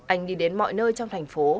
anh đi đến mọi nơi trong thành phố